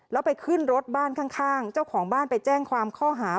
แล้วไปขึ้นรถบ้านข้างเจ้าของบ้านไปแจ้งความข้อหา